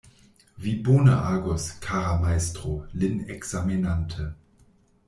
Vi bone agus, kara majstro, lin ekzamenante.